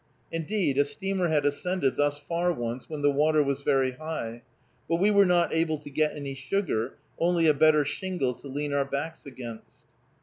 Indeed, a steamer had ascended thus far once, when the water was very high. But we were not able to get any sugar, only a better shingle to lean our backs against.